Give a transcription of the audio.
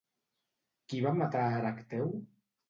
Qui va matar Erecteu?